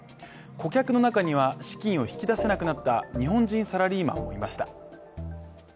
顧客の中には、資金を引き出せなくなった日本人サラリーマンもいました。